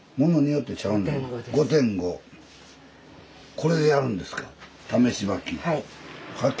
これでやるんですか試し履き。